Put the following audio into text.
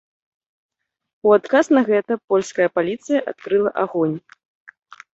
У адказ на гэта польская паліцыя адкрыла агонь.